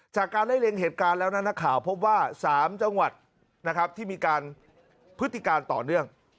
จากการไล่เลียงเหตุการณ์แล้วนะนักข่าวพบว่า๓จังหวัดนะครับที่มีการพฤติการต่อเนื่อง